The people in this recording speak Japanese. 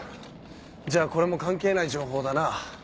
じゃあこれも関係ない情報だな。